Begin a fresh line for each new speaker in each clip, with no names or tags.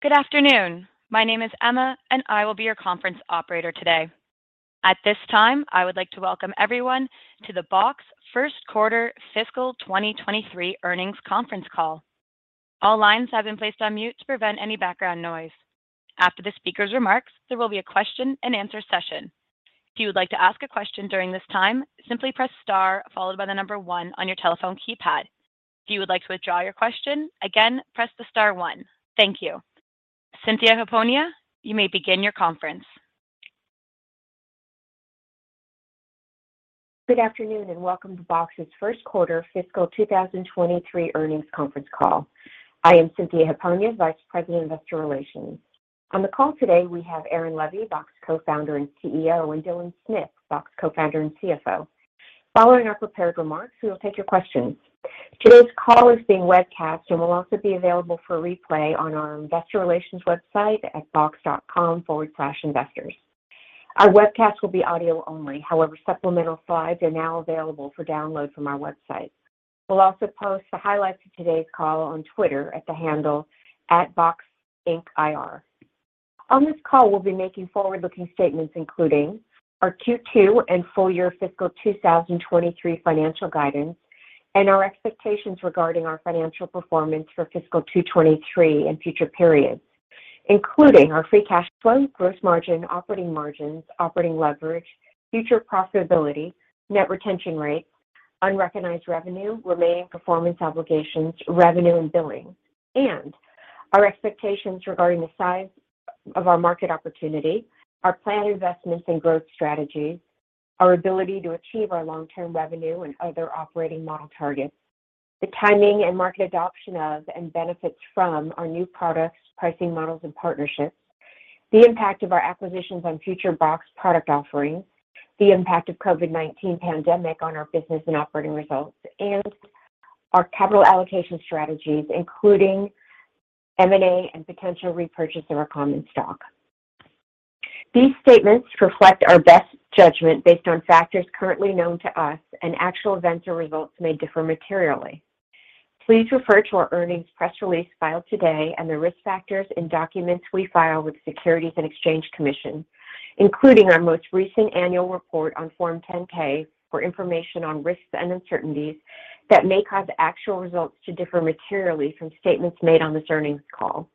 Good afternoon. My name is Emma, and I will be your conference operator today. At this time, I would like to welcome everyone to the Box First Quarter Fiscal 2023 Earnings Conference Call. All lines have been placed on mute to prevent any background noise. After the speaker's remarks, there will be a question-and-answer session. If you would like to ask a question during this time, simply press star followed by the number one on your telephone keypad. If you would like to withdraw your question, again, press the star one. Thank you. Cynthia Hiponia, you may begin your conference.
Good afternoon, and welcome to Box's First Quarter Fiscal 2023 Earnings Conference Call. I am Cynthia Hiponia, Vice President, Investor Relations. On the call today we have Aaron Levie, Box Co-founder and CEO, and Dylan Smith, Box Co-founder and CFO. Following our prepared remarks, we will take your questions. Today's call is being webcast and will also be available for replay on our investor relations website at box.com/investors. Our webcast will be audio only. However, supplemental slides are now available for download from our website. We'll also post the highlights of today's call on Twitter at the handle @BoxIncIR. On this call, we'll be making forward-looking statements including our Q2 and full year fiscal 2023 financial guidance and our expectations regarding our financial performance for fiscal 2023 and future periods, including our free cash flow, gross margin, operating margins, operating leverage, future profitability, net retention rates, unrecognized revenue, remaining performance obligations, revenue, and billing, and our expectations regarding the size of our market opportunity, our planned investments and growth strategies, our ability to achieve our long-term revenue and other operating model targets, the timing and market adoption of and benefits from our new products, pricing models, and partnerships, the impact of our acquisitions on future Box product offerings, the impact of COVID-19 pandemic on our business and operating results, and our capital allocation strategies, including M&A and potential repurchase of our common stock. These statements reflect our best judgment based on factors currently known to us, and actual events or results may differ materially. Please refer to our earnings press release filed today and the risk factors and documents we file with the Securities and Exchange Commission, including our most recent annual report on Form 10-K for information on risks and uncertainties that may cause actual results to differ materially from statements made on this earnings call.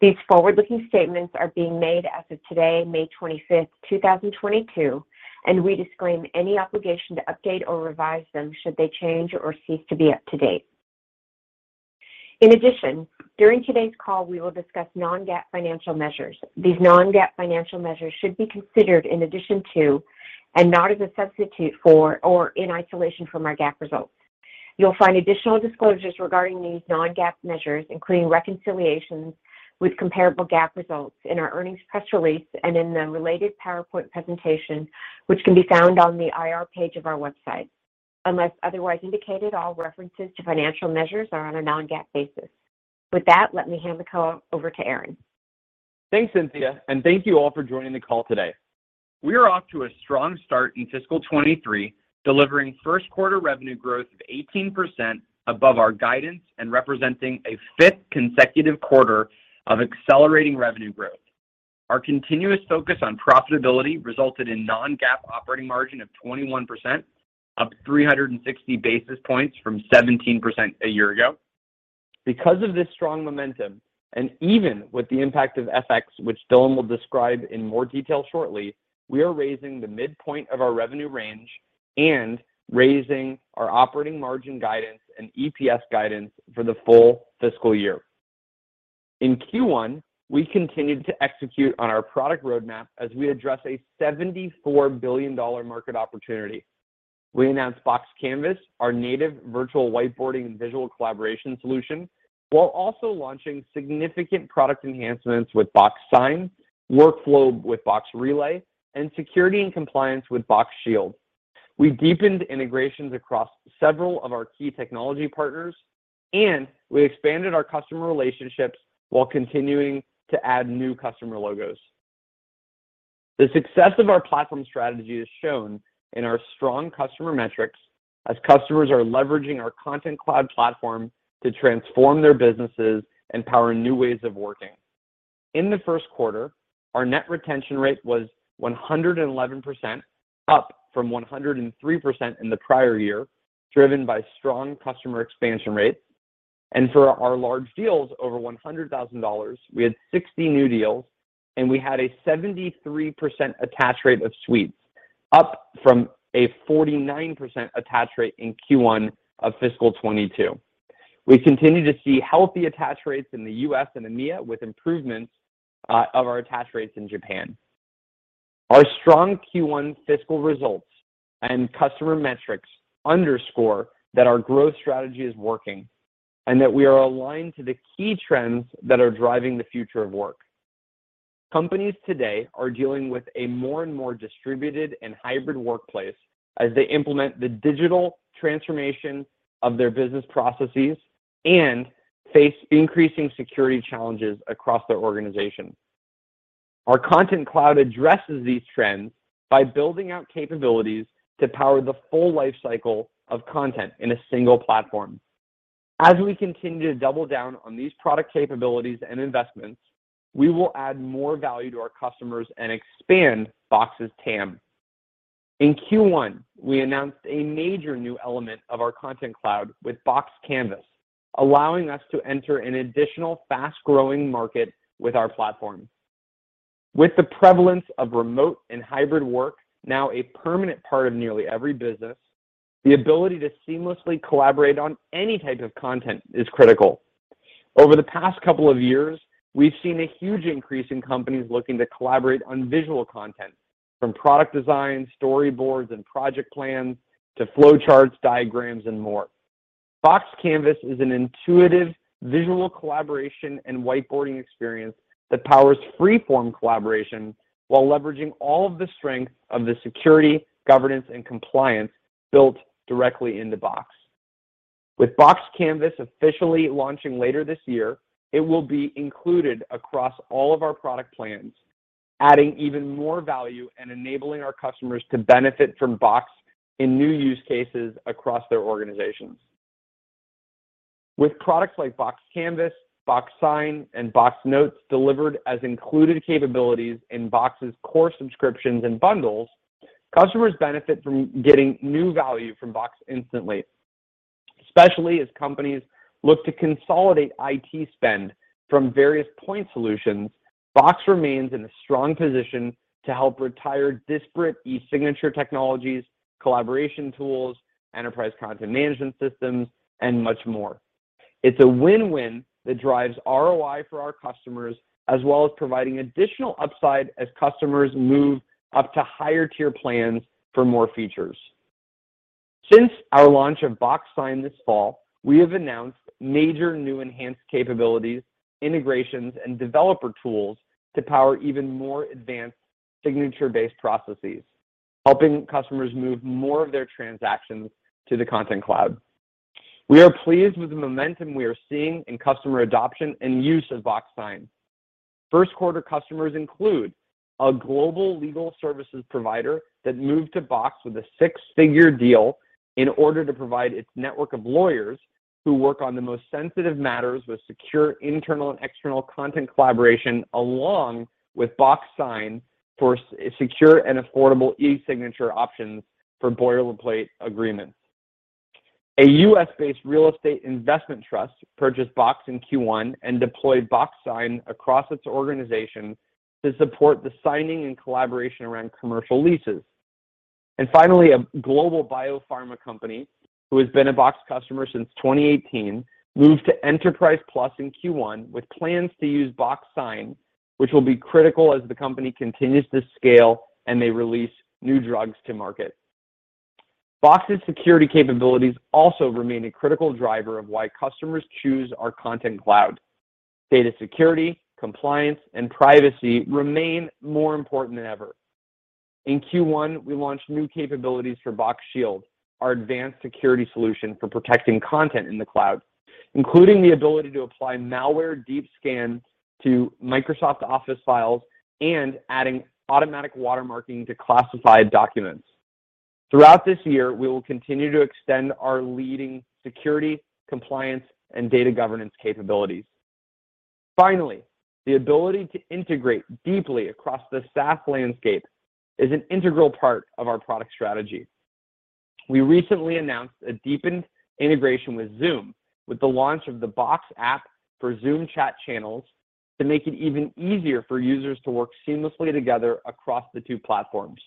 These forward-looking statements are being made as of today, May 25th, 2022, and we disclaim any obligation to update or revise them should they change or cease to be up to date. In addition, during today's call, we will discuss non-GAAP financial measures. These non-GAAP financial measures should be considered in addition to, and not as a substitute for or in isolation from our GAAP results. You'll find additional disclosures regarding these non-GAAP measures, including reconciliations with comparable GAAP results in our earnings press release and in the related PowerPoint presentation, which can be found on the IR page of our website. Unless otherwise indicated, all references to financial measures are on a non-GAAP basis. With that, let me hand the call over to Aaron.
Thanks, Cynthia, and thank you all for joining the call today. We are off to a strong start in fiscal 2023, delivering first quarter revenue growth of 18% above our guidance and representing a fifth consecutive quarter of accelerating revenue growth. Our continuous focus on profitability resulted in non-GAAP operating margin of 21%, up 360 basis points from 17% a year ago. Because of this strong momentum, and even with the impact of FX, which Dylan will describe in more detail shortly, we are raising the midpoint of our revenue range and raising our operating margin guidance and EPS guidance for the full fiscal year. In Q1, we continued to execute on our product roadmap as we address a $74 billion market opportunity. We announced Box Canvas, our native virtual whiteboarding and visual collaboration solution, while also launching significant product enhancements with Box Sign, workflow with Box Relay, and security and compliance with Box Shield. We deepened integrations across several of our key technology partners, and we expanded our customer relationships while continuing to add new customer logos. The success of our platform strategy is shown in our strong customer metrics as customers are leveraging our Content Cloud platform to transform their businesses and power new ways of working. In the first quarter, our net retention rate was 111%, up from 103% in the prior year, driven by strong customer expansion rates. For our large deals over $100,000, we had 60 new deals, and we had a 73% attach rate of suites, up from a 49% attach rate in Q1 of fiscal 2022. We continue to see healthy attach rates in the U.S. and EMEA, with improvements of our attach rates in Japan. Our strong Q1 fiscal results and customer metrics underscore that our growth strategy is working and that we are aligned to the key trends that are driving the future of work. Companies today are dealing with a more and more distributed and hybrid workplace as they implement the digital transformation of their business processes and face increasing security challenges across their organization. Our Content Cloud addresses these trends by building out capabilities to power the full life cycle of content in a single platform. As we continue to double down on these product capabilities and investments, we will add more value to our customers and expand Box's TAM. In Q1, we announced a major new element of our Content Cloud with Box Canvas, allowing us to enter an additional fast-growing market with our platform. With the prevalence of remote and hybrid work now a permanent part of nearly every business, the ability to seamlessly collaborate on any type of content is critical. Over the past couple of years, we've seen a huge increase in companies looking to collaborate on visual content, from product design, storyboards, and project plans to flowcharts, diagrams, and more. Box Canvas is an intuitive visual collaboration and whiteboarding experience that powers freeform collaboration while leveraging all of the strength of the security, governance, and compliance built directly into Box. With Box Canvas officially launching later this year, it will be included across all of our product plans, adding even more value and enabling our customers to benefit from Box in new use cases across their organizations. With products like Box Canvas, Box Sign, and Box Notes delivered as included capabilities in Box's core subscriptions and bundles, customers benefit from getting new value from Box instantly. Especially as companies look to consolidate IT spend from various point solutions, Box remains in a strong position to help retire disparate e-signature technologies, collaboration tools, enterprise content management systems, and much more. It's a win-win that drives ROI for our customers, as well as providing additional upside as customers move up to higher-tier plans for more features. Since our launch of Box Sign this fall, we have announced major new enhanced capabilities, integrations, and developer tools to power even more advanced signature-based processes, helping customers move more of their transactions to the Content Cloud. We are pleased with the momentum we are seeing in customer adoption and use of Box Sign. First quarter customers include a global legal services provider that moved to Box with a six-figure deal in order to provide its network of lawyers who work on the most sensitive matters with secure internal and external content collaboration, along with Box Sign for secure and affordable e-signature options for boilerplate agreements. A U.S.-based real estate investment trust purchased Box in Q1 and deployed Box Sign across its organization to support the signing and collaboration around commercial leases. Finally, a global biopharma company who has been a Box customer since 2018 moved to Enterprise Plus in Q1 with plans to use Box Sign, which will be critical as the company continues to scale and they release new drugs to market. Box's security capabilities also remain a critical driver of why customers choose our Content Cloud. Data security, compliance, and privacy remain more important than ever. In Q1, we launched new capabilities for Box Shield, our advanced security solution for protecting content in the cloud, including the ability to apply malware deep scans to Microsoft Office files and adding automatic watermarking to classified documents. Throughout this year, we will continue to extend our leading security, compliance, and data governance capabilities. Finally, the ability to integrate deeply across the SaaS landscape is an integral part of our product strategy. We recently announced a deepened integration with Zoom, with the launch of the Box app for Zoom chat channels to make it even easier for users to work seamlessly together across the two platforms.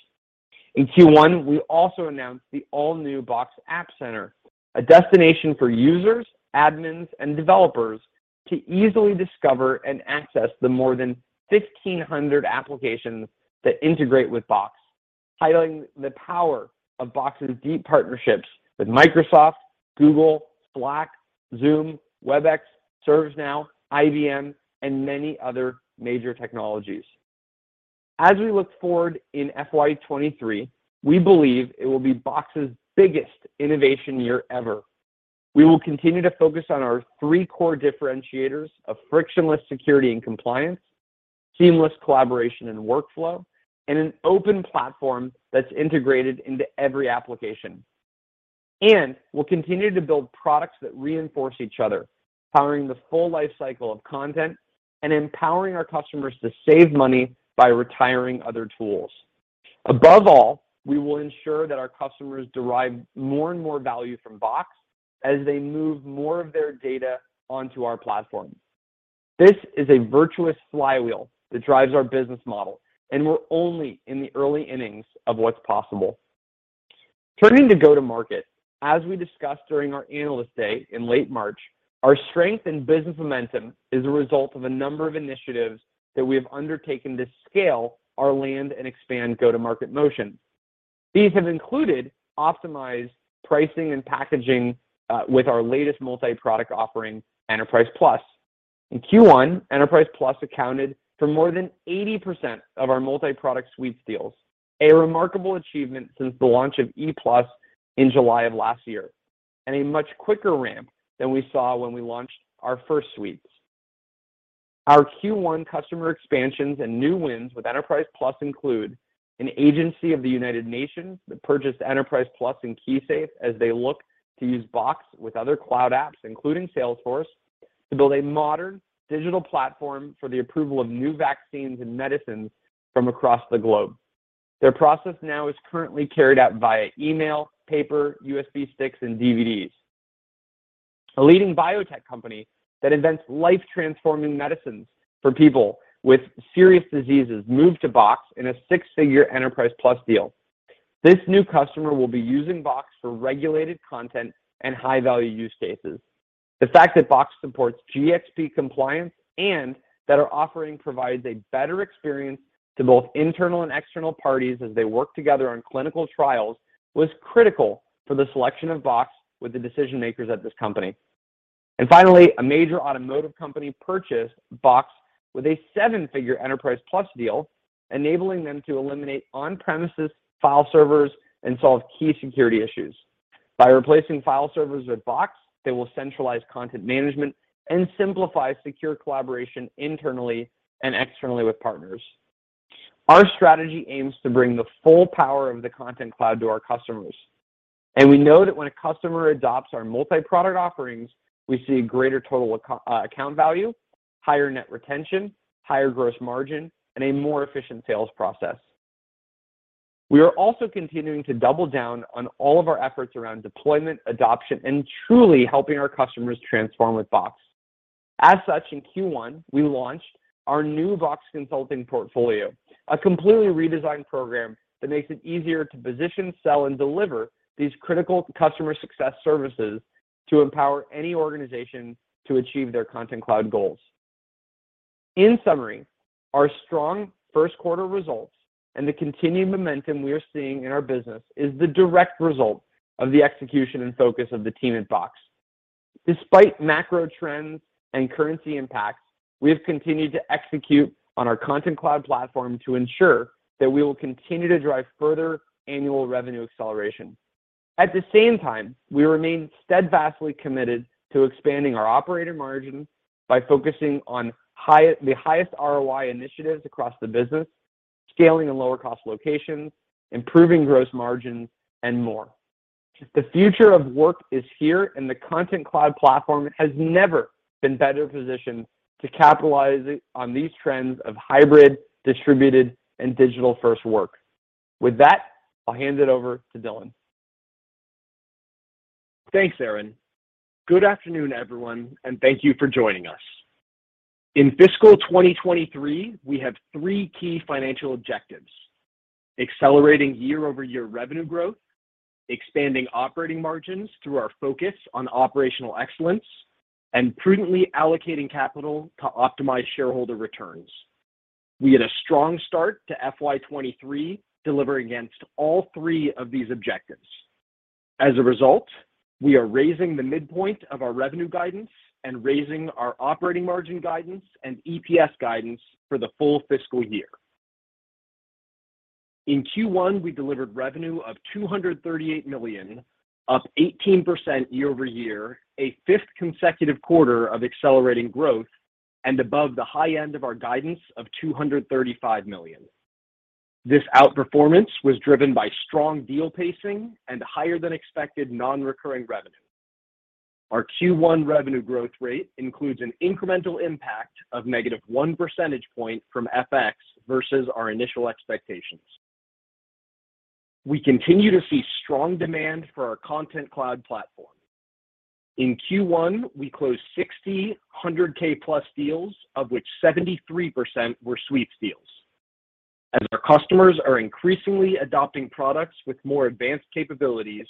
In Q1, we also announced the all-new Box App Center, a destination for users, admins, and developers to easily discover and access the more than 1,500 applications that integrate with Box, highlighting the power of Box's deep partnerships with Microsoft, Google, Slack, Zoom, Webex, ServiceNow, IBM, and many other major technologies. As we look forward in FY 2023, we believe it will be Box's biggest innovation year ever. We will continue to focus on our three core differentiators of frictionless security and compliance, seamless collaboration and workflow, and an open platform that's integrated into every application. We'll continue to build products that reinforce each other, powering the full life cycle of content and empowering our customers to save money by retiring other tools. Above all, we will ensure that our customers derive more and more value from Box as they move more of their data onto our platform. This is a virtuous flywheel that drives our business model, and we're only in the early innings of what's possible. Turning to go-to-market, as we discussed during our Analyst Day in late March, our strength and business momentum is a result of a number of initiatives that we have undertaken to scale our land and expand go-to-market motion. These have included optimized pricing and packaging, with our latest multi-product offering, Enterprise Plus. In Q1, Enterprise Plus accounted for more than 80% of our multi-product suite deals, a remarkable achievement since the launch of E Plus in July of last year. A much quicker ramp than we saw when we launched our first suites. Our Q1 customer expansions and new wins with Enterprise Plus include an agency of the United Nations that purchased Enterprise Plus and KeySafe as they look to use Box with other cloud apps, including Salesforce, to build a modern digital platform for the approval of new vaccines and medicines from across the globe. Their process now is currently carried out via email, paper, USB sticks, and DVDs. A leading biotech company that invents life-transforming medicines for people with serious diseases moved to Box in a six-figure Enterprise Plus deal. This new customer will be using Box for regulated content and high-value use cases. The fact that Box supports GxP compliance and that our offering provides a better experience to both internal and external parties as they work together on clinical trials was critical for the selection of Box with the decision-makers at this company. Finally, a major automotive company purchased Box with a seven-figure Enterprise Plus deal, enabling them to eliminate on-premises file servers and solve key security issues. By replacing file servers with Box, they will centralize content management and simplify secure collaboration internally and externally with partners. Our strategy aims to bring the full power of the Content Cloud to our customers, and we know that when a customer adopts our multi-product offerings, we see greater total account value, higher net retention, higher gross margin, and a more efficient sales process. We are also continuing to double down on all of our efforts around deployment, adoption, and truly helping our customers transform with Box. As such, in Q1, we launched our new Box Consulting portfolio, a completely redesigned program that makes it easier to position, sell, and deliver these critical customer success services to empower any organization to achieve their Content Cloud goals. In summary, our strong first quarter results and the continued momentum we are seeing in our business is the direct result of the execution and focus of the team at Box. Despite macro trends and currency impacts, we have continued to execute on our Content Cloud platform to ensure that we will continue to drive further annual revenue acceleration. At the same time, we remain steadfastly committed to expanding our operating margin by focusing on the highest ROI initiatives across the business, scaling in lower cost locations, improving gross margin, and more. The future of work is here, and the Content Cloud platform has never been better positioned to capitalize on these trends of hybrid, distributed, and digital-first work. With that, I'll hand it over to Dylan.
Thanks, Aaron. Good afternoon, everyone, and thank you for joining us. In fiscal 2023, we have three key financial objectives. Accelerating year-over-year revenue growth, expanding operating margins through our focus on operational excellence, and prudently allocating capital to optimize shareholder returns. We had a strong start to FY 2023, delivering against all three of these objectives. As a result, we are raising the midpoint of our revenue guidance and raising our operating margin guidance and EPS guidance for the full fiscal year. In Q1, we delivered revenue of $238 million, up 18% year-over-year, a fifth consecutive quarter of accelerating growth, and above the high end of our guidance of $235 million. This outperformance was driven by strong deal pacing and higher than expected non-recurring revenue. Our Q1 revenue growth rate includes an incremental impact of -1 percentage point from FX versus our initial expectations. We continue to see strong demand for our Content Cloud platform. In Q1, we closed 60 $100,000+ deals, of which 73% were suites deals. As our customers are increasingly adopting products with more advanced capabilities,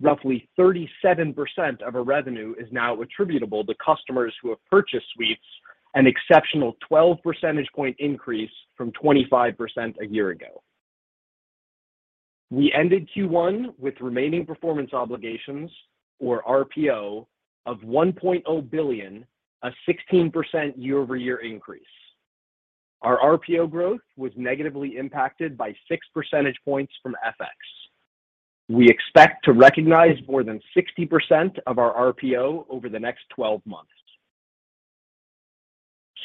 roughly 37% of our revenue is now attributable to customers who have purchased suites, an exceptional 12 percentage point increase from 25% a year ago. We ended Q1 with remaining performance obligations, or RPO, of $1.0 billion, a 16% year-over-year increase. Our RPO growth was negatively impacted by 6 percentage points from FX. We expect to recognize more than 60% of our RPO over the next 12 months.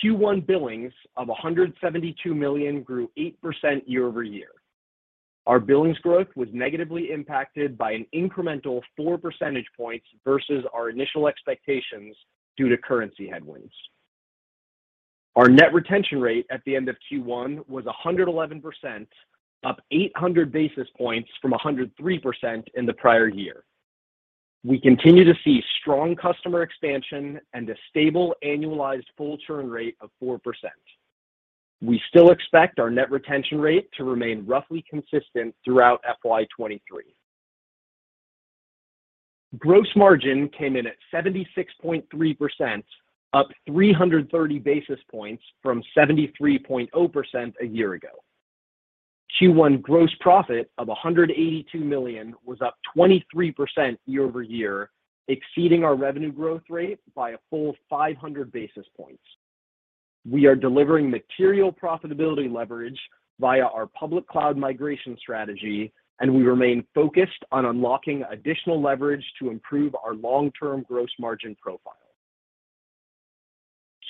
Q1 billings of $172 million grew 8% year-over-year. Our billings growth was negatively impacted by an incremental 4 percentage points versus our initial expectations due to currency headwinds. Our net retention rate at the end of Q1 was 111%, up 800 basis points from 103% in the prior year. We continue to see strong customer expansion and a stable annualized full turn rate of 4%. We still expect our net retention rate to remain roughly consistent throughout FY 2023. Gross margin came in at 76.3%, up 330 basis points from 73.0% a year ago. Q1 gross profit of $182 million was up 23% year-over-year, exceeding our revenue growth rate by a full 500 basis points. We are delivering material profitability leverage via our public cloud migration strategy, and we remain focused on unlocking additional leverage to improve our long-term gross margin profile.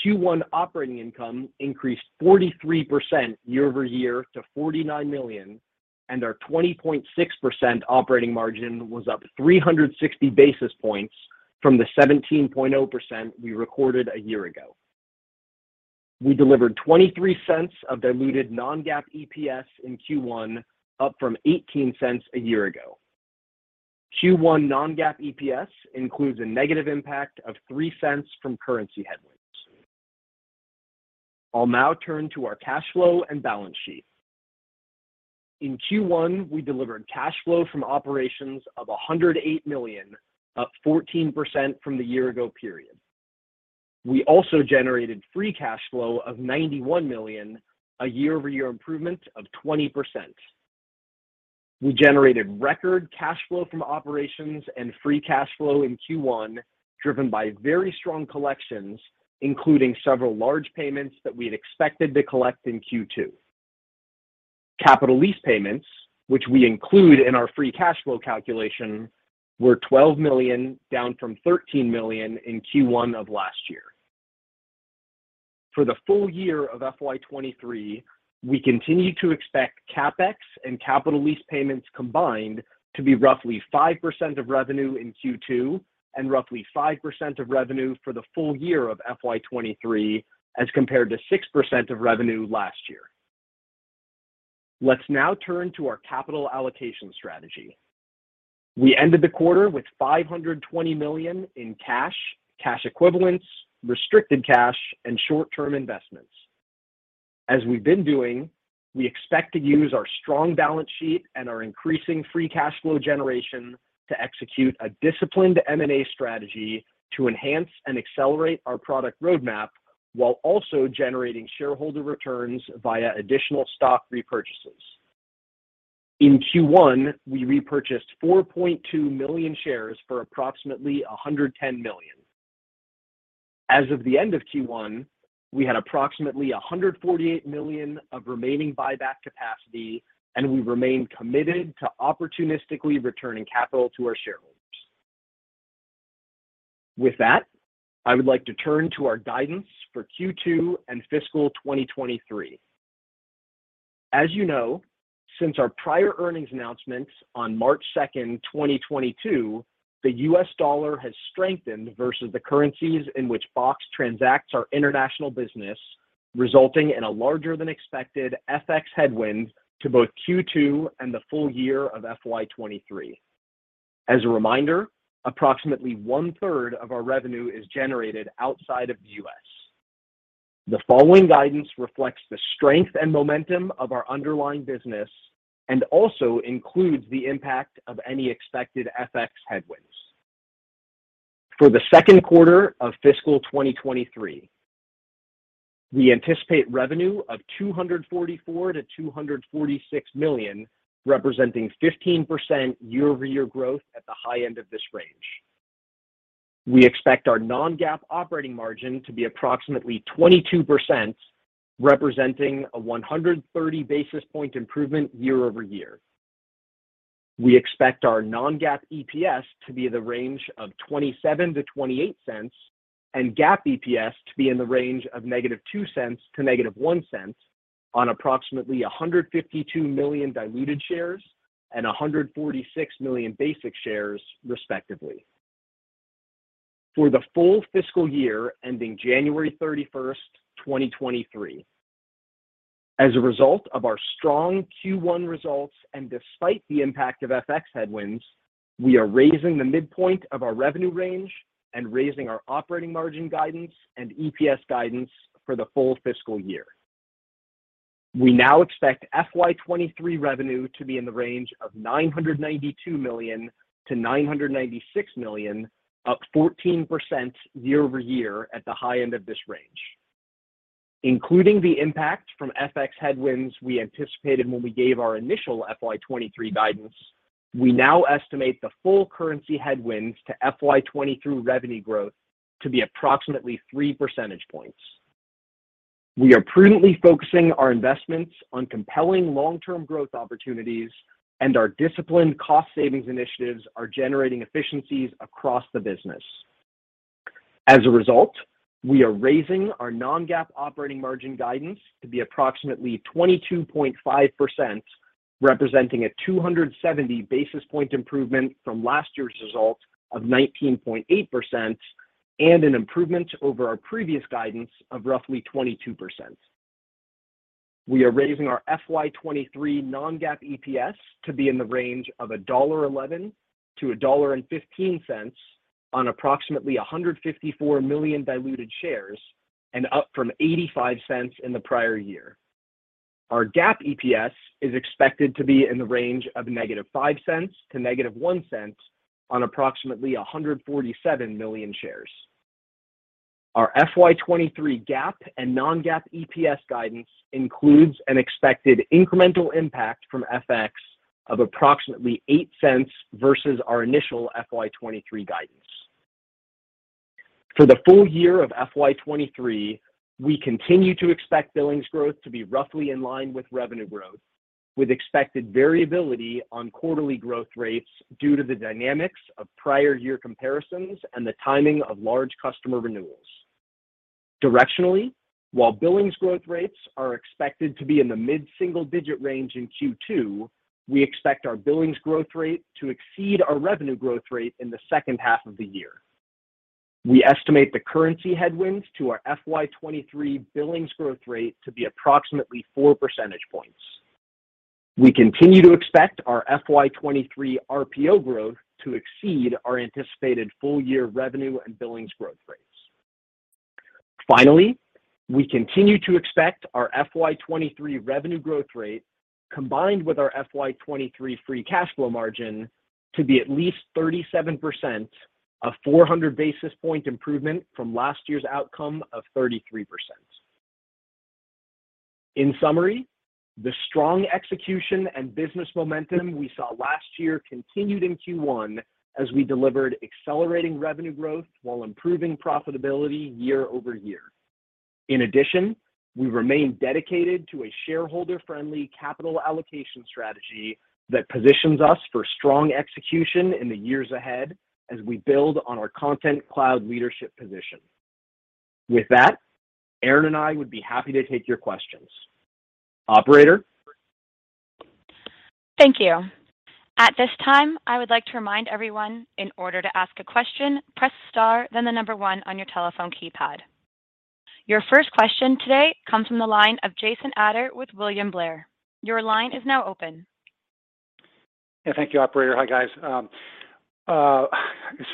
Q1 operating income increased 43% year-over-year to $49 million, and our 20.6% operating margin was up 360 basis points from the 17.0% we recorded a year ago. We delivered $0.23 of diluted non-GAAP EPS in Q1, up from $0.18 a year ago. Q1 non-GAAP EPS includes a negative impact of $0.03 from currency headwinds. I'll now turn to our cash flow and balance sheet. In Q1, we delivered cash flow from operations of $108 million, up 14% from the year ago period. We also generated free cash flow of $91 million, a year-over-year improvement of 20%. We generated record cash flow from operations and free cash flow in Q1, driven by very strong collections, including several large payments that we had expected to collect in Q2. Capital lease payments, which we include in our free cash flow calculation, were $12 million, down from $13 million in Q1 of last year. For the full year of FY 2023, we continue to expect CapEx and capital lease payments combined to be roughly 5% of revenue in Q2 and roughly 5% of revenue for the full year of FY 2023, as compared to 6% of revenue last year. Let's now turn to our capital allocation strategy. We ended the quarter with $520 million in cash equivalents, restricted cash, and short-term investments. As we've been doing, we expect to use our strong balance sheet and our increasing free cash flow generation to execute a disciplined M&A strategy to enhance and accelerate our product roadmap while also generating shareholder returns via additional stock repurchases. In Q1, we repurchased 4.2 million shares for approximately $110 million. As of the end of Q1, we had approximately $148 million of remaining buyback capacity, and we remain committed to opportunistically returning capital to our shareholders. With that, I would like to turn to our guidance for Q2 and fiscal 2023. As you know, since our prior earnings announcements on March 2nd, 2022, the U.S. dollar has strengthened versus the currencies in which Box transacts our international business, resulting in a larger than expected FX headwind to both Q2 and the full year of FY 2023. As a reminder, approximately one-third of our revenue is generated outside of the U.S. The following guidance reflects the strength and momentum of our underlying business and also includes the impact of any expected FX headwinds. For the second quarter of fiscal 2023, we anticipate revenue of $244 million-$246 million, representing 15% year-over-year growth at the high end of this range. We expect our non-GAAP operating margin to be approximately 22%, representing a 130 basis point improvement year-over-year. We expect our non-GAAP EPS to be in the range of $0.27-$0.28 and GAAP EPS to be in the range of -$0.02 to -$0.01 on approximately 152 million diluted shares and 146 million basic shares, respectively. For the full fiscal year ending January 31st, 2023, as a result of our strong Q1 results and despite the impact of FX headwinds, we are raising the midpoint of our revenue range and raising our operating margin guidance and EPS guidance for the full fiscal year. We now expect FY 2023 revenue to be in the range of $992 million-$996 million, up 14% year-over-year at the high end of this range. Including the impact from FX headwinds we anticipated when we gave our initial FY 2023 guidance, we now estimate the full currency headwinds to FY 2023 revenue growth to be approximately 3 percentage points. We are prudently focusing our investments on compelling long-term growth opportunities, and our disciplined cost savings initiatives are generating efficiencies across the business. As a result, we are raising our non-GAAP operating margin guidance to be approximately 22.5%, representing a 270 basis point improvement from last year's result of 19.8% and an improvement over our previous guidance of roughly 22%. We are raising our FY 2023 non-GAAP EPS to be in the range of $1.11-$1.15 on approximately 154 million diluted shares and up from $0.85 in the prior year. Our GAAP EPS is expected to be in the range of -$0.05 to -$0.01 on approximately 147 million shares. Our FY 2023 GAAP and non-GAAP EPS guidance includes an expected incremental impact from FX of approximately $0.08 versus our initial FY 2023 guidance. For the full year of FY 2023, we continue to expect billings growth to be roughly in line with revenue growth, with expected variability on quarterly growth rates due to the dynamics of prior year comparisons and the timing of large customer renewals. Directionally, while billings growth rates are expected to be in the mid-single digit range in Q2, we expect our billings growth rate to exceed our revenue growth rate in the second half of the year. We estimate the currency headwinds to our FY 2023 billings growth rate to be approximately 4 percentage points. We continue to expect our FY 2023 RPO growth to exceed our anticipated full year revenue and billings growth rates. Finally, we continue to expect our FY 2023 revenue growth rate, combined with our FY 2023 free cash flow margin to be at least 37%, a 400 basis point improvement from last year's outcome of 33%. In summary, the strong execution and business momentum we saw last year continued in Q1 as we delivered accelerating revenue growth while improving profitability year-over-year. In addition, we remain dedicated to a shareholder-friendly capital allocation strategy that positions us for strong execution in the years ahead as we build on our Content Cloud leadership position. With that, Aaron and I would be happy to take your questions. Operator?
Thank you. At this time, I would like to remind everyone in order to ask a question, press star then the number one on your telephone keypad. Your first question today comes from the line of Jason Ader with William Blair. Your line is now open.
Yeah. Thank you, operator. Hi, guys.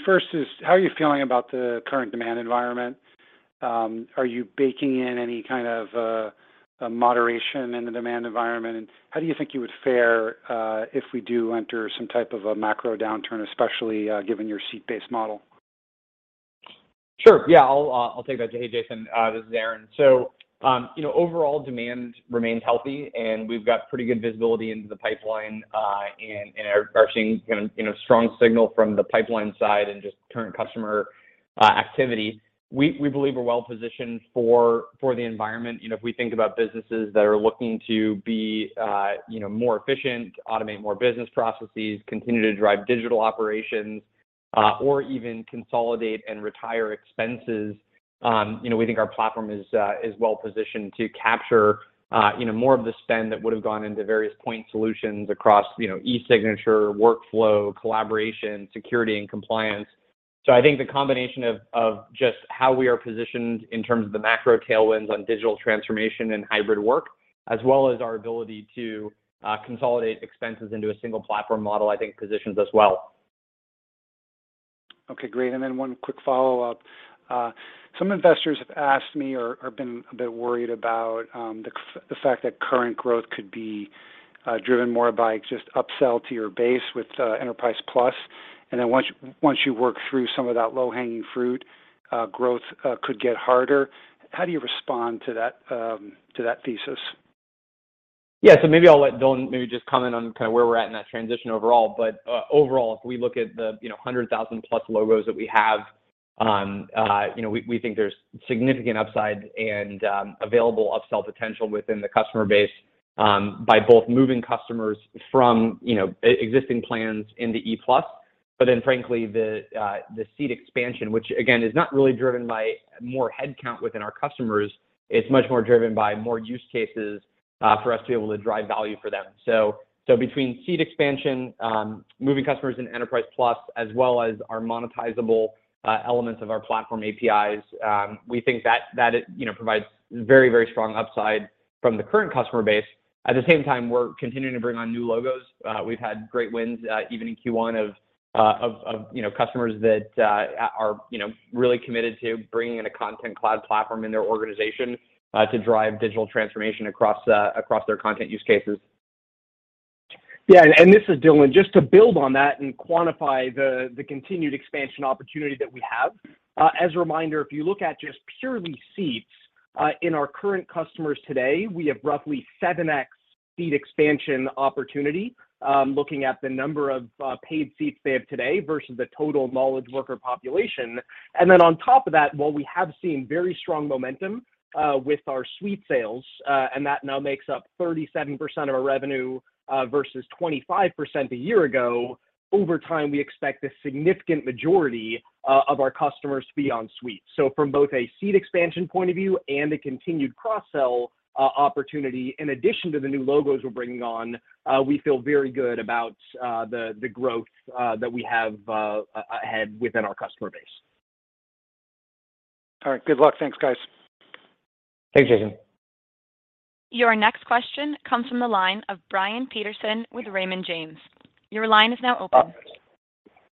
First is how are you feeling about the current demand environment? Are you baking in any kind of a moderation in the demand environment? How do you think you would fare if we do enter some type of a macro downturn, especially given your seat-based model?
Sure. Yeah. I'll take that. Hey, Jason, this is Aaron. Overall demand remains healthy, and we've got pretty good visibility into the pipeline, and are seeing kind of strong signal from the pipeline side and just current customer activity. We believe we're well positioned for the environment. You know, if we think about businesses that are looking to be more efficient, automate more business processes, continue to drive digital operations, or even consolidate and retire expenses, you know, we think our platform is well positioned to capture more of the spend that would have gone into various point solutions across e-signature, workflow, collaboration, security and compliance. I think the combination of just how we are positioned in terms of the macro tailwinds on digital transformation and hybrid work, as well as our ability to consolidate expenses into a single platform model. I think positions us well.
Okay, great. One quick follow-up. Some investors have asked me or been a bit worried about the fact that current growth could be driven more by just upsell to your base with Enterprise Plus. Once you work through some of that low-hanging fruit, growth could get harder. How do you respond to that, to that thesis?
Yeah. Maybe I'll let Dylan just comment on kind of where we're at in that transition overall. Overall, if we look at the, you know, 100,000+ logos that we have, you know, we think there's significant upside and available upsell potential within the customer base by both moving customers from, you know, existing plans into E Plus. Then frankly, the seat expansion, which again is not really driven by more headcount within our customers, it's much more driven by more use cases for us to be able to drive value for them. Between seat expansion, moving customers into Enterprise Plus, as well as our monetizable elements of our platform APIs, we think that that is, you know, provides very, very strong upside from the current customer base. At the same time, we're continuing to bring on new logos. We've had great wins even in Q1 of you know customers that are you know really committed to bringing in a Content Cloud platform in their organization to drive digital transformation across their content use cases.
Yeah. This is Dylan. Just to build on that and quantify the continued expansion opportunity that we have. As a reminder, if you look at just purely seats in our current customers today, we have roughly 7x seat expansion opportunity, looking at the number of paid seats they have today versus the total knowledge worker population. Then on top of that, while we have seen very strong momentum with our suite sales, and that now makes up 37% of our revenue versus 25% a year ago, over time, we expect the significant majority of our customers to be on suite. From both a seat expansion point of view and a continued cross-sell opportunity, in addition to the new logos we're bringing on, we feel very good about the growth that we have ahead within our customer base.
All right. Good luck. Thanks, guys.
Thanks, Jason.
Your next question comes from the line of Brian Peterson with Raymond James. Your line is now open.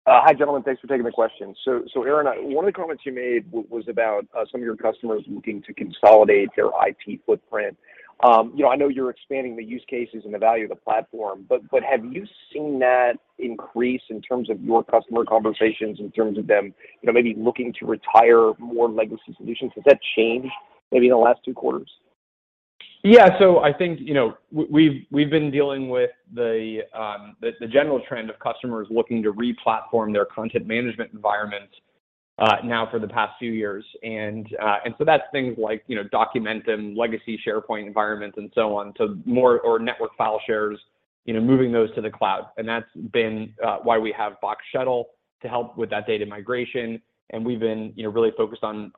Hi, gentlemen. Thanks for taking the question. Aaron, one of the comments you made was about some of your customers looking to consolidate their IT footprint. You know, I know you're expanding the use cases and the value of the platform, but have you seen that increase in terms of your customer conversations in terms of them, you know, maybe looking to retire more legacy solutions? Has that changed maybe in the last two quarters?
Yeah. I think, you know, we've been dealing with the general trend of customers looking to re-platform their content management environment now for the past few years. That's things like, you know, Documentum and Legacy SharePoint environments and so on. More on network file shares, you know, moving those to the cloud. That's why we have Box Shuttle to help with that data migration. We've been, you know, really focused on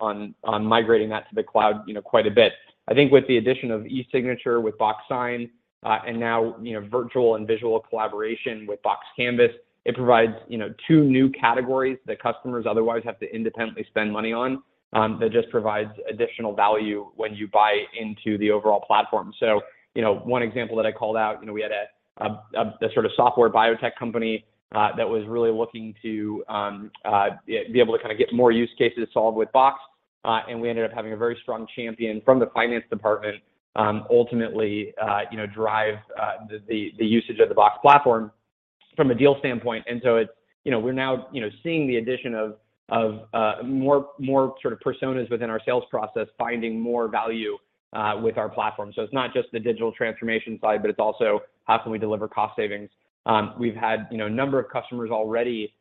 migrating that to the cloud, you know, quite a bit. I think with the addition of e-signature with Box Sign and now, you know, virtual and visual collaboration with Box Canvas, it provides, you know, two new categories that customers otherwise have to independently spend money on that just provides additional value when you buy into the overall platform. You know, one example that I called out, you know, we had a sort of software biotech company that was really looking to be able to kinda get more use cases solved with Box. We ended up having a very strong champion from the finance department, ultimately drive the usage of the Box platform from a deal standpoint. It's you know, we're now, you know, seeing the addition of more sort of personas within our sales process, finding more value with our platform. It's not just the digital transformation side, but it's also how can we deliver cost savings. We've had, you know, a number of customers already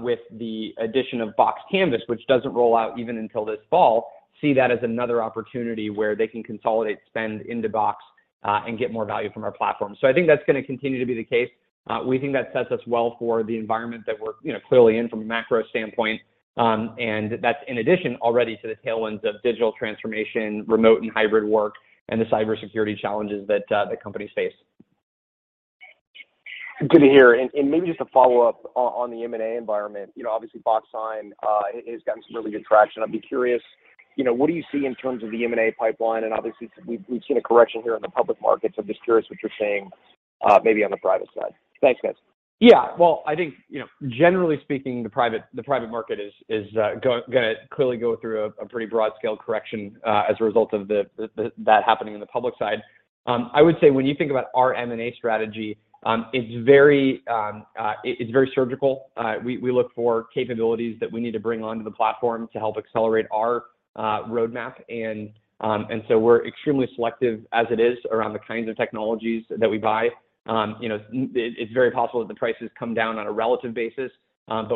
with the addition of Box Canvas, which doesn't roll out even until this fall, see that as another opportunity where they can consolidate spend into Box, and get more value from our platform. I think that's gonna continue to be the case. We think that sets us well for the environment that we're, you know, clearly in from a macro standpoint. That's in addition already to the tailwinds of digital transformation, remote and hybrid work, and the cybersecurity challenges that the companies face.
Good to hear. Maybe just a follow-up on the M&A environment. You know, obviously, Box Sign has gotten some really good traction. I'd be curious, you know, what do you see in terms of the M&A pipeline? Obviously, we've seen a correction here in the public markets. I'm just curious what you're seeing, maybe on the private side. Thanks, guys.
Well, I think, you know, generally speaking, the private market is going to clearly go through a pretty broad scale correction as a result of that happening in the public side. I would say when you think about our M&A strategy, it's very surgical. We look for capabilities that we need to bring onto the platform to help accelerate our roadmap. We're extremely selective as it is around the kinds of technologies that we buy. You know, it's very possible that the prices come down on a relative basis.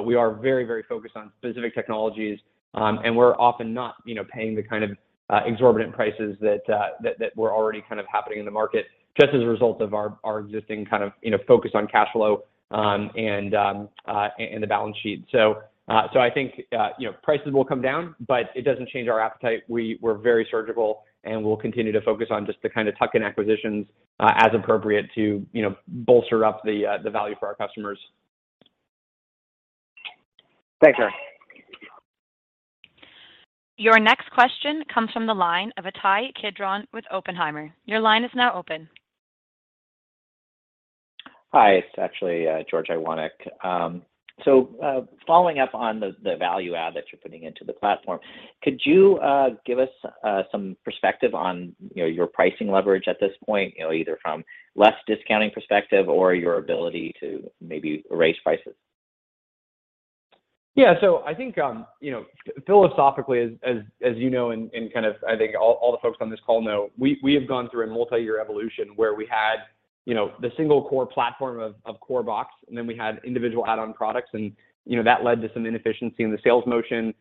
We are very, very focused on specific technologies. We're often not, you know, paying the kind of exorbitant prices that were already kind of happening in the market just as a result of our existing kind of, you know, focus on cash flow, and the balance sheet. So I think, you know, prices will come down, but it doesn't change our appetite. We're very surgical, and we'll continue to focus on just the kind of tuck-in acquisitions, as appropriate to, you know, bolster up the value for our customers.
Thanks, Aaron.
Your next question comes from the line of Ittai Kidron with Oppenheimer. Your line is now open.
Hi, it's actually George Iwanyc. Following up on the value add that you're putting into the platform, could you give us some perspective on, you know, your pricing leverage at this point, you know, either from less discounting perspective or your ability to maybe raise prices?
Yeah. I think you know philosophically as you know and kind of I think all the folks on this call know we have gone through a multi-year evolution where we had you know the single core platform of core Box and then we had individual add-on products and you know that led to some inefficiency in the sales motion.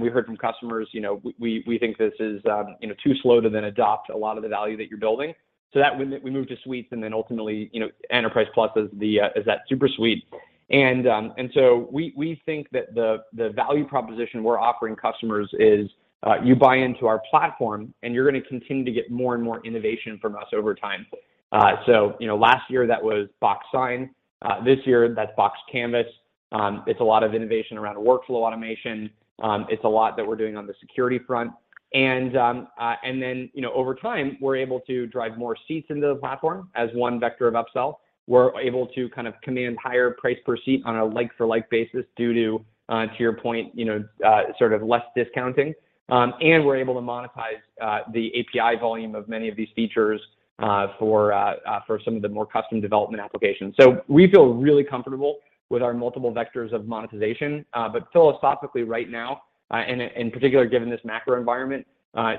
We heard from customers you know we think this is you know too slow to then adopt a lot of the value that you are building. So we moved to Suites and then ultimately you know Enterprise Plus is that super suite. We think that the value proposition we're offering customers is you buy into our platform, and you're gonna continue to get more and more innovation from us over time. You know, last year that was Box Sign. This year, that's Box Canvas. It's a lot of innovation around workflow automation. It's a lot that we're doing on the security front. You know, over time, we're able to drive more seats into the platform as one vector of upsell. We're able to kind of command higher price per seat on a like for like basis due to to your point, you know, sort of less discounting. We're able to monetize the API volume of many of these features for some of the more custom development applications. We feel really comfortable with our multiple vectors of monetization. Philosophically right now, in particular, given this macro environment,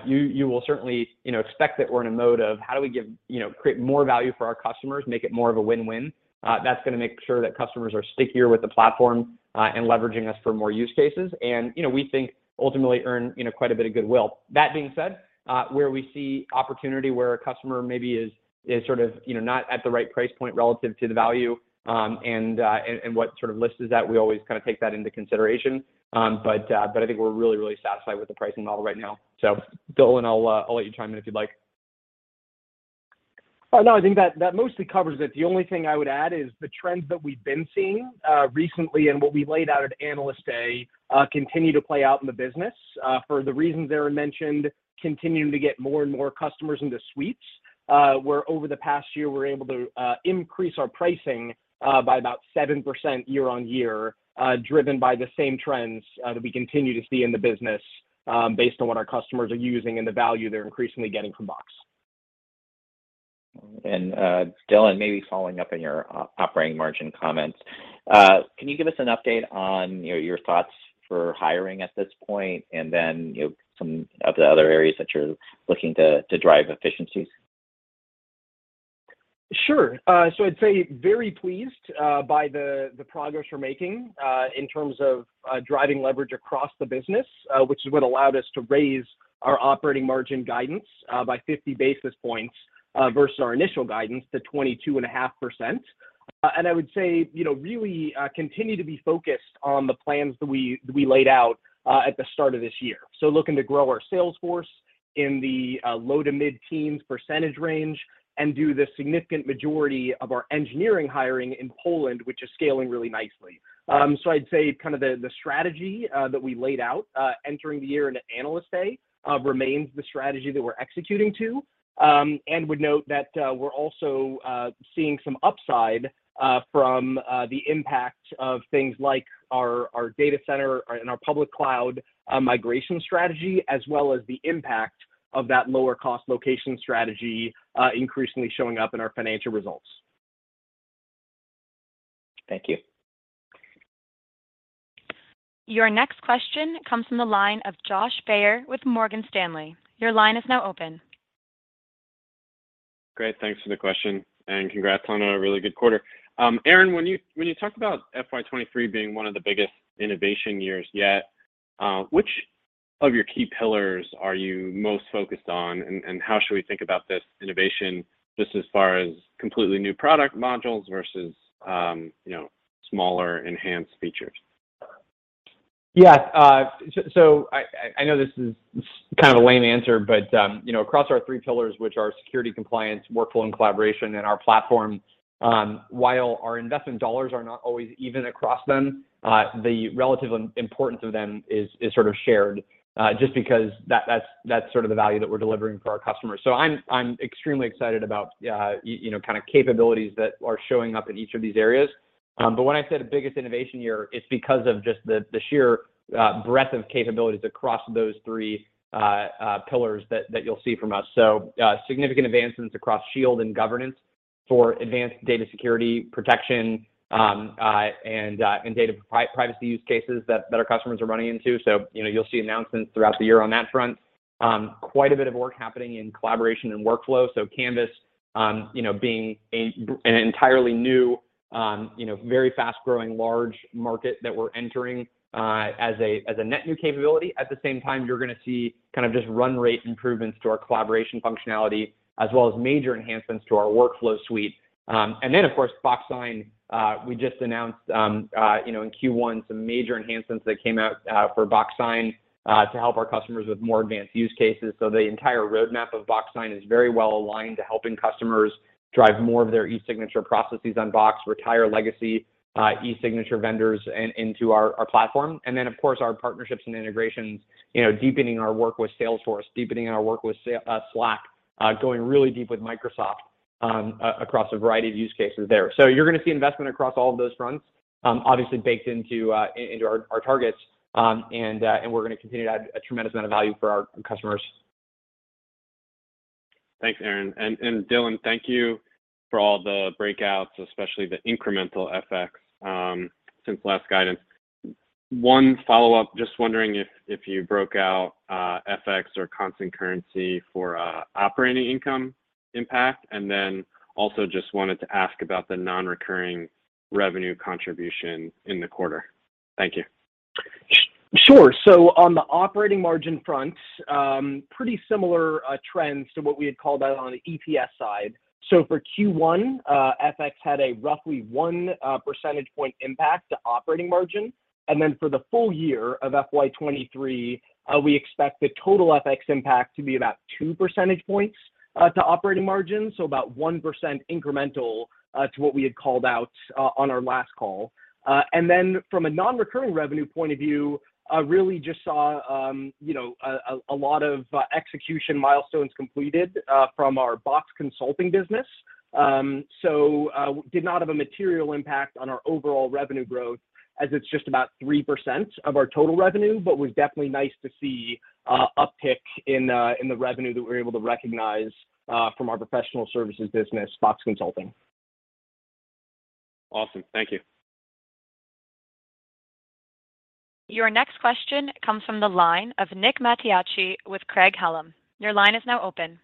you will certainly, you know, expect that we're in a mode of how do we give, you know, create more value for our customers, make it more of a win-win, that's gonna make sure that customers are stickier with the platform and leveraging us for more use cases. You know, we think ultimately earn, you know, quite a bit of goodwill. That being said, where we see opportunity where a customer maybe is sort of, you know, not at the right price point relative to the value, and what sort of lifts is that, we always kinda take that into consideration. But I think we're really, really satisfied with the pricing model right now. Dylan, I'll let you chime in if you'd like.
Oh, no, I think that mostly covers it. The only thing I would add is the trends that we've been seeing recently and what we laid out at Analyst Day continue to play out in the business for the reasons Aaron mentioned, continuing to get more and more customers into Suites where over the past year, we're able to increase our pricing by about 7% year-over-year driven by the same trends that we continue to see in the business based on what our customers are using and the value they're increasingly getting from Box.
Dylan, maybe following up on your operating margin comments, can you give us an update on your thoughts for hiring at this point, and then, you know, some of the other areas that you're looking to drive efficiencies?
Sure. So I'd say very pleased by the progress we're making in terms of driving leverage across the business, which is what allowed us to raise our operating margin guidance by 50 basis points versus our initial guidance to 22.5%. I would say, you know, really continue to be focused on the plans that we laid out at the start of this year. Looking to grow our sales force in the low to mid-teens percentage range and do the significant majority of our engineering hiring in Poland, which is scaling really nicely. I'd say kind of the strategy that we laid out entering the year into Analyst Day remains the strategy that we're executing to. And would note that we're also seeing some upside from the impact of things like our data center and our public cloud migration strategy, as well as the impact of that lower cost location strategy increasingly showing up in our financial results.
Thank you.
Your next question comes from the line of Josh Baer with Morgan Stanley. Your line is now open.
Great. Thanks for the question, and congrats on a really good quarter. Aaron, when you talk about FY 2023 being one of the biggest innovation years yet, which of your key pillars are you most focused on, and how should we think about this innovation, just as far as completely new product modules versus smaller enhanced features?
Yeah. I know this is kind of a lame answer, but you know, across our three pillars, which are security compliance, workflow, and collaboration in our platform, while our investment dollars are not always even across them, the relative importance of them is sort of shared, just because that's sort of the value that we're delivering for our customers. I'm extremely excited about you know, kind of capabilities that are showing up in each of these areas. When I said biggest innovation year, it's because of just the sheer breadth of capabilities across those three pillars that you'll see from us. Significant advancements across Shield and governance for advanced data security protection, and data privacy use cases that our customers are running into. You know, you'll see announcements throughout the year on that front. Quite a bit of work happening in collaboration and workflow. Canvas, you know, being an entirely new, you know, very fast-growing, large market that we're entering, as a net new capability. At the same time, you're gonna see kind of just run rate improvements to our collaboration functionality, as well as major enhancements to our workflow suite. Then, of course, Box Sign, we just announced, you know, in Q1, some major enhancements that came out, for Box Sign, to help our customers with more advanced use cases. The entire roadmap of Box Sign is very well aligned to helping customers drive more of their e-signature processes on Box, retire legacy e-signature vendors into our platform. Of course, our partnerships and integrations, you know, deepening our work with Salesforce, deepening our work with Slack, going really deep with Microsoft across a variety of use cases there. You're gonna see investment across all of those fronts, obviously baked into our targets. We're gonna continue to add a tremendous amount of value for our customers.
Thanks, Aaron. Dylan, thank you for all the breakouts, especially the incremental FX since last guidance. One follow-up, just wondering if you broke out FX or constant currency for operating income impact. Then also just wanted to ask about the non-recurring revenue contribution in the quarter. Thank you.
Sure. On the operating margin front, pretty similar trends to what we had called out on the EPS side. For Q1, FX had a roughly 1 percentage point impact to operating margin. For the full year of FY 2023, we expect the total FX impact to be about 2 percentage points to operating margin, so about 1% incremental to what we had called out on our last call. From a non-recurring revenue point of view, really just saw, you know, a lot of execution milestones completed from our Box Consulting business. Did not have a material impact on our overall revenue growth as it's just about 3% of our total revenue, but was definitely nice to see a pickup in the revenue that we're able to recognize from our professional services business, Box Consulting.
Awesome. Thank you.
Your next question comes from the line of Nick Mattiacci with Craig-Hallum. Your line is now open.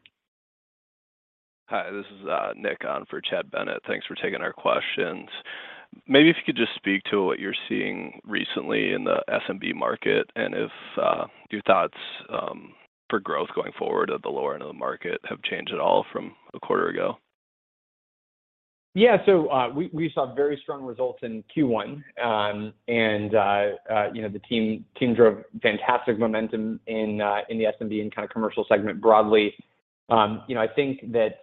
Hi, this is Nick on for Chad Bennett. Thanks for taking our questions. Maybe if you could just speak to what you're seeing recently in the SMB market and if your thoughts for growth going forward at the lower end of the market have changed at all from a quarter ago?
Yeah. We saw very strong results in Q1. You know, the team drove fantastic momentum in the SMB and kind of commercial segment broadly. You know, I think that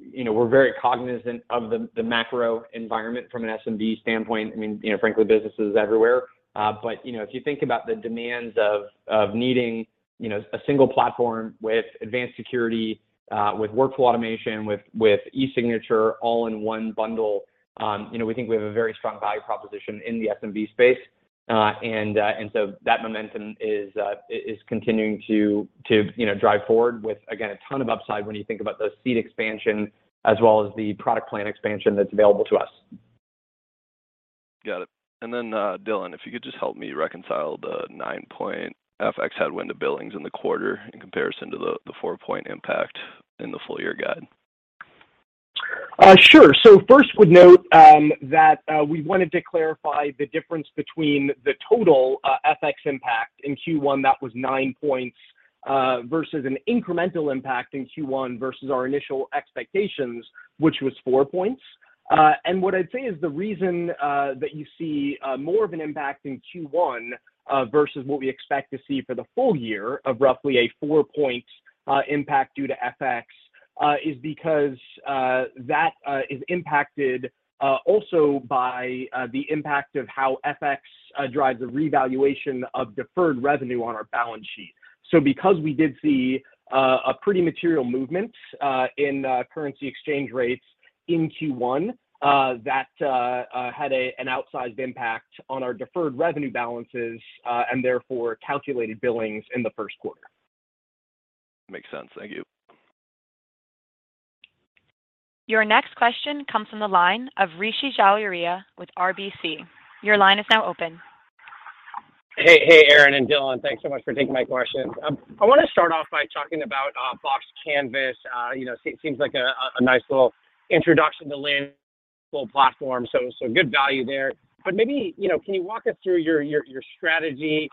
you know, we're very cognizant of the macro environment from an SMB standpoint. I mean, you know, frankly, businesses everywhere. You know, if you think about the demands of needing you know, a single platform with advanced security with workflow automation with e-signature all in one bundle, you know, we think we have a very strong value proposition in the SMB space. That momentum is continuing to you know, drive forward with, again, a ton of upside when you think about the seat expansion as well as the product plan expansion that's available to us.
Got it. Dylan, if you could just help me reconcile the 9-point FX headwind to billings in the quarter in comparison to the 4-point impact in the full year guide.
Sure. First we'd note that we wanted to clarify the difference between the total FX impact in Q1 that was 9 points versus an incremental impact in Q1 versus our initial expectations, which was 4 points. What I'd say is the reason that you see more of an impact in Q1 versus what we expect to see for the full year of roughly a 4-point impact due to FX is because that is impacted also by the impact of how FX drives a revaluation of deferred revenue on our balance sheet. Because we did see a pretty material movement in currency exchange rates in Q1 that had an outsized impact on our deferred revenue balances and therefore calculated billings in the first quarter.
Makes sense. Thank you.
Your next question comes from the line of Rishi Jaluria with RBC. Your line is now open.
Hey. Hey, Aaron and Dylan. Thanks so much for taking my questions. I wanna start off by talking about Box Canvas. You know, seems like a nice little introduction to land-and-expand platform, so good value there. But maybe, you know, can you walk us through your strategy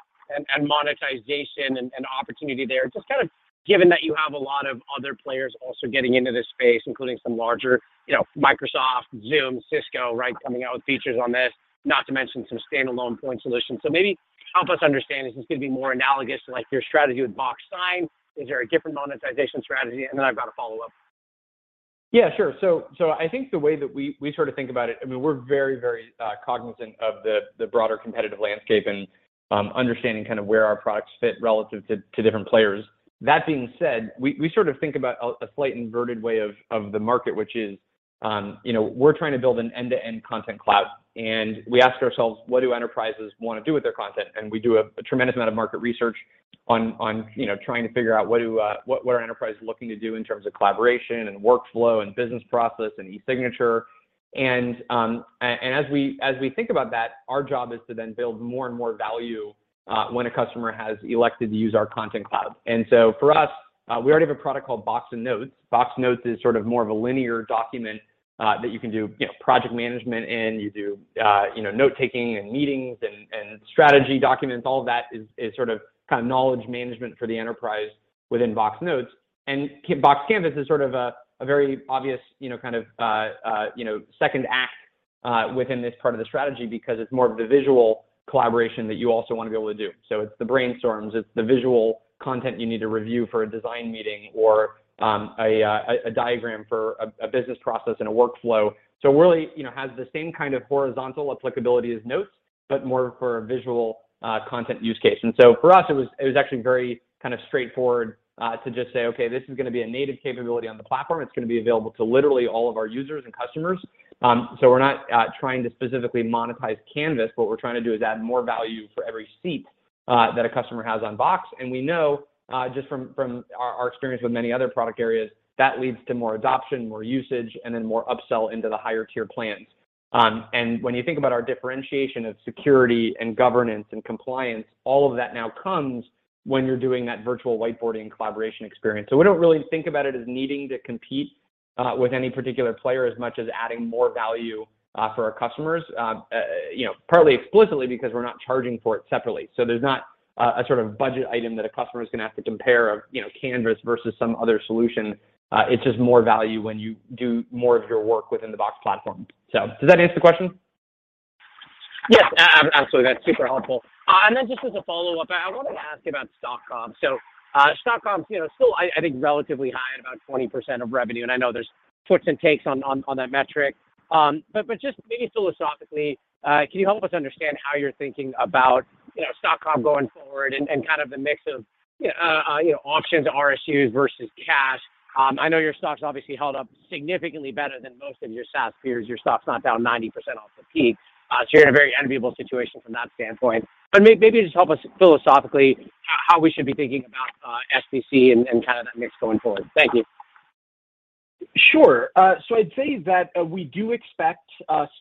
and monetization and opportunity there? Just kind of given that you have a lot of other players also getting into this space, including some larger, you know, Microsoft, Zoom, Cisco, right, coming out with features on this, not to mention some standalone point solutions. So maybe help us understand if this is gonna be more analogous to like your strategy with Box Sign. Is there a different monetization strategy? Then I've got a follow-up.
Yeah, sure. I think the way that we sort of think about it, I mean, we're very cognizant of the broader competitive landscape and understanding kind of where our products fit relative to different players. That being said, we sort of think about a slight inverted way of the market, which is, you know, we're trying to build an end-to-end Content Cloud, and we ask ourselves, "What do enterprises wanna do with their content?" We do a tremendous amount of market research on, you know, trying to figure out what are enterprises looking to do in terms of collaboration and workflow and business process and e-signature. As we think about that, our job is to then build more and more value when a customer has elected to use our Content Cloud. For us, we already have a product called Box Notes. Box Notes is sort of more of a linear document that you can do, you know, project management in. You do, you know, note-taking in meetings and strategy documents. All of that is sort of kinda knowledge management for the enterprise within Box Notes. Box Canvas is sort of a very obvious, you know, kind of second act within this part of the strategy because it's more of the visual collaboration that you also wanna be able to do. It's the brainstorms, it's the visual content you need to review for a design meeting or a diagram for a business process and a workflow. Really, you know, has the same kind of horizontal applicability as Notes, but more for visual content use case. For us it was actually very kind of straightforward to just say, "Okay, this is gonna be a native capability on the platform. It's gonna be available to literally all of our users and customers." We're not trying to specifically monetize Canvas. What we're trying to do is add more value for every seat that a customer has on Box. We know just from our experience with many other product areas, that leads to more adoption, more usage, and then more upsell into the higher tier plans. When you think about our differentiation of security and governance and compliance, all of that now comes when you're doing that virtual whiteboarding collaboration experience. We don't really think about it as needing to compete with any particular player as much as adding more value for our customers. You know, partly explicitly because we're not charging for it separately. There's not a sort of budget item that a customer is gonna have to compare of, you know, Canvas versus some other solution. It's just more value when you do more of your work within the Box platform. Does that answer the question?
Yes. Absolutely. That's super helpful. Then just as a follow-up, I wanted to ask you about stock comp. Stock comp's, you know, still I think relatively high at about 20% of revenue, and I know there's twists and turns on that metric. Just maybe philosophically, can you help us understand how you're thinking about, you know, stock comp going forward and kind of the mix of, you know, options, RSUs versus cash? I know your stock's obviously held up significantly better than most of your SaaS peers. Your stock's not down 90% off the peak, so you're in a very enviable situation from that standpoint. Maybe just help us philosophically how we should be thinking about SBC and kind of that mix going forward. Thank you.
Sure. So I'd say that we do expect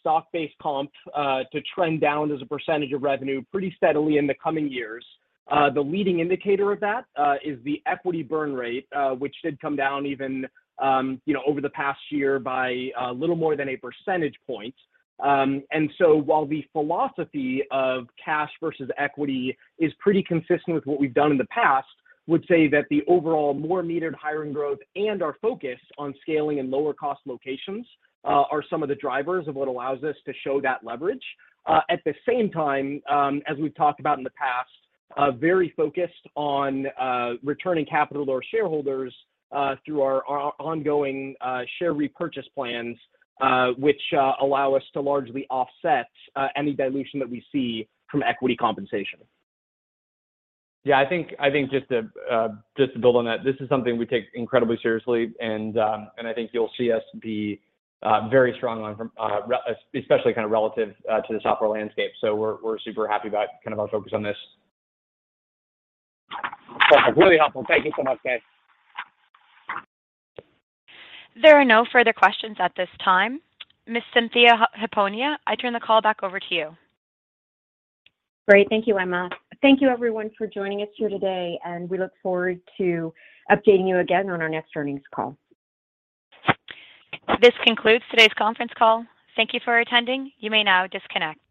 stock-based comp to trend down as a percentage of revenue pretty steadily in the coming years. The leading indicator of that is the equity burn rate, which did come down even, you know, over the past year by little more than a percentage point. While the philosophy of cash versus equity is pretty consistent with what we've done in the past, would say that the overall more metered hiring growth and our focus on scaling in lower cost locations are some of the drivers of what allows us to show that leverage. At the same time, as we've talked about in the past, very focused on returning capital to our shareholders through our ongoing share repurchase plans, which allow us to largely offset any dilution that we see from equity compensation.
Yeah. I think just to build on that, this is something we take incredibly seriously and I think you'll see us be very strong on, especially kind of relative to the software landscape. We're super happy about kind of our focus on this.
That's really helpful. Thank you so much, guys.
There are no further questions at this time. Ms. Cynthia Hiponia, I turn the call back over to you.
Great. Thank you, Emma. Thank you everyone for joining us here today, and we look forward to updating you again on our next earnings call.
This concludes today's conference call. Thank you for attending. You may now disconnect.